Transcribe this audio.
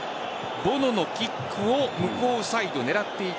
ボノのキックを向こうサイド狙っていた。